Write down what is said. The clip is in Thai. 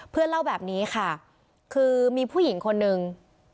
เล่าแบบนี้ค่ะคือมีผู้หญิงคนนึง